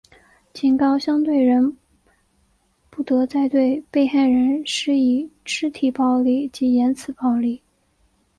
警告相对人不得再对被害人施以肢体暴力及言词暴力。